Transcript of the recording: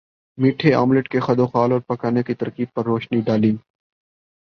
میٹھے آملیٹ کے خدوخال اور پکانے کی ترکیب پر روشنی ڈالی